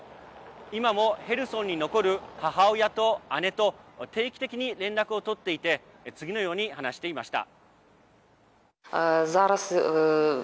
今もヘルソンに残る母親と姉と定期的に連絡を取っていて次のように話していました。